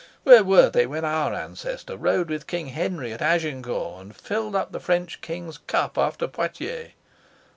Where were they when our ancestor rode with King Henry at Agincourt, and filled up the French King's cup after Poictiers?